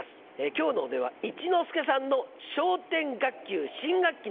今日のお題は「一之輔さんの笑点学級新学期の誓い」。